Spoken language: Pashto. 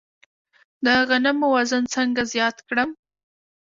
د غنمو وزن څنګه زیات کړم؟